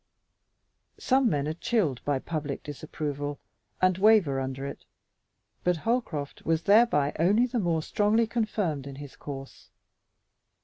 Some men are chilled by public disapproval and waver under it, but Holcroft was thereby only the more strongly confirmed in his course.